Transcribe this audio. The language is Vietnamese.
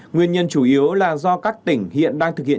nguyên nhân chủ yếu là do các tỉnh hiện đang thực hiện